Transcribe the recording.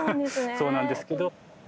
そうなんですけどよ